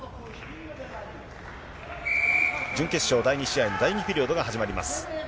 準決勝第２試合の第２ピリオドが始まります。